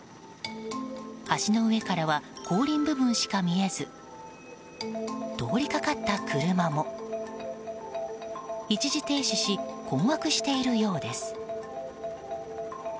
橋の上からは後輪部分しか見えず通りかかった車も一時停止し困惑しているようです。